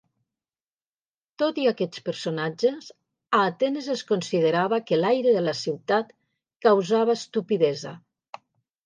Tot i aquests personatges, a Atenes es considerava que l'aire de la ciutat causava estupidesa.